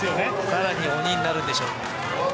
更に鬼になるんでしょう。